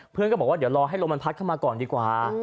ก็บอกว่าเดี๋ยวรอให้ลมมันพัดเข้ามาก่อนดีกว่า